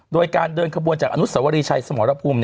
โดยการเดินขบวนจากอนุสวรีชัยสมรภูมิ